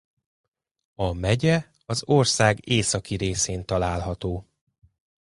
A megye az ország északi részén található.